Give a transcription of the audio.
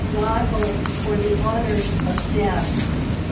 RIVALS FOR THE HONOURS OF DEATH.